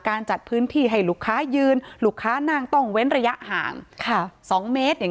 การจัดพื้นที่ให้ลูกค้ายืนลูกค้านั่งต้องเว้นระยะห่าง๒เมตร